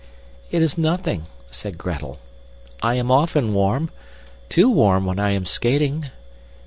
"It is nothing," said Gretel. "I am often warm too warm when I am skating.